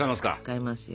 使いますよ。